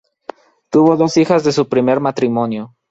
Tuvo dos hijas de su primer matrimonio.